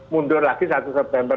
mundur lagi satu september